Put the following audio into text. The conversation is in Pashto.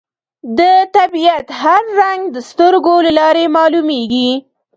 د طبیعت هر رنګ د سترګو له لارې معلومېږي